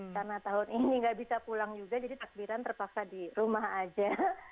karena tahun ini nggak bisa pulang juga jadi takdiran terpaksa di rumah saja